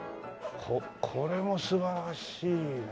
これも素晴らしいね。